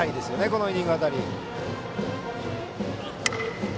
このイニング辺りで。